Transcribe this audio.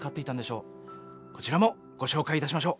こちらもご紹介いたしましょう。